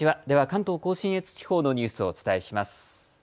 関東甲信越地方のニュースをお伝えします。